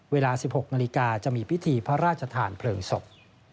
เวลา๑๖นาฬิกาจะมีพิธีพระราชทานเพลิงศพ